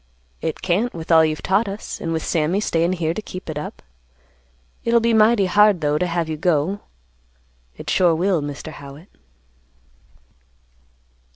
It can't with all you've taught us, and with Sammy stayin' here to keep it up. It'll be mighty hard, though, to have you go; it sure will, Mr. Howitt."